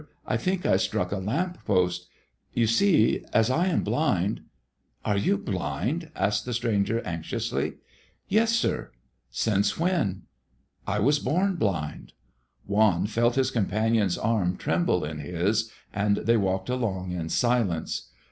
I think I struck a lamp post. You see as I am blind " "Are you blind?" asked the stranger, anxiously. "Yes, sir." "Since when?" "I was born blind." Juan felt his companion's arm tremble in his, and they walked along in silence.